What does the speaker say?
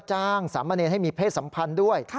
จ้างสามนั้นให้มีเพศสัมพันธ์ด้วย